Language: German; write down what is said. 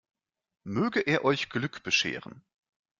Möge er euch Glück bescheren.